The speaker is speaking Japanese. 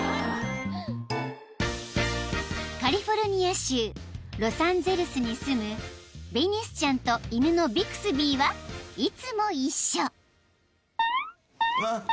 ［カリフォルニア州ロサンゼルスに住むベニスちゃんと犬のビクスビーはいつも一緒］